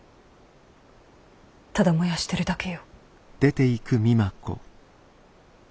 ただ燃やしてるだけよ。